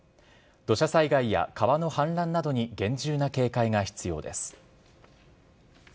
土砂災害や川の氾濫などに厳重な警戒が必要です。